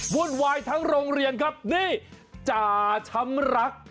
วุ่นวายทั้งโรงเรียนครับนี่จ่าช้ำรัก